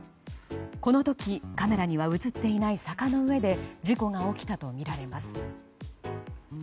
この時、カメラには映っていない坂の上で事故が起きたとみられます。